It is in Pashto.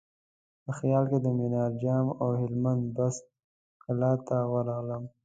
په خیال کې د منار جام او هلمند بست کلا ته ورغلم.